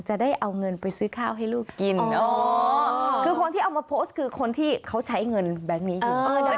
จะได้เอาเงินไปซื้อข้าวให้ลูกกินอ๋อคือคนที่เอามาโพสต์คือคนที่เขาใช้เงินแบงค์นี้อยู่